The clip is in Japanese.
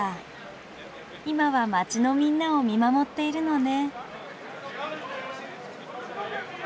今は街のみんなを見守っているのね。